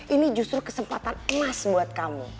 ini justru kesempatan emas buat kamu